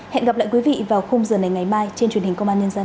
hẹn gặp lại quý vị vào khung giờ này ngày mai trên truyền hình công an nhân dân